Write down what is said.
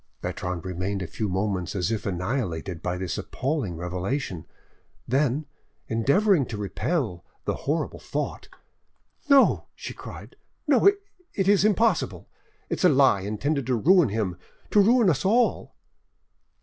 Bertrande remained a few moments as if annihilated by this appalling revelation; then, endeavoring to repel the horrible thought— "No," she cried, "no, it is impossible! It is a lie intended to ruin him to ruin us all."